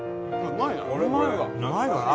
うまいな！